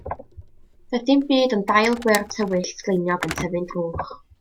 Doedd dim byd ond dail gwyrdd tywyll, sgleiniog yn tyfu'n drwch.